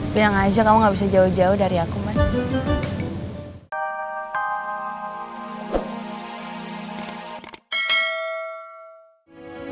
bilang aja kamu gak bisa jauh jauh dari aku mas